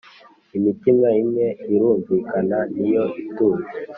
imitima imwe irumvikana, niyo ituje.